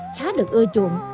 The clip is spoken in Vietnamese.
khá được ưa chuộng